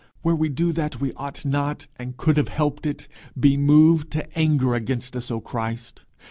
Where we do that we ought not, and could have helped it, be moved to anger against us, O Christ!